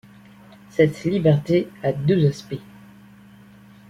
Cette liberté a deux aspects.